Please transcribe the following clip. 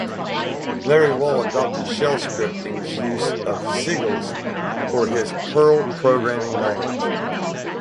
Larry Wall adopted shell scripting's use of sigils for his Perl programming language.